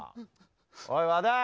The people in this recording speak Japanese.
おい和田！